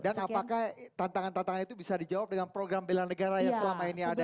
dan apakah tantangan tantangan itu bisa dijawab dengan program belan negara yang selama ini ada